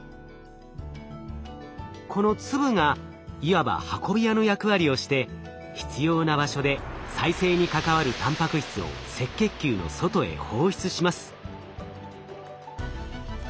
この粒がいわば運び屋の役割をして必要な場所で再生に関わるたんぱく質を赤血球の外へ放出します。